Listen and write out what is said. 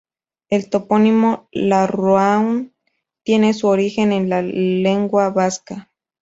El topónimo Larráun tiene su origen en la lengua vasca.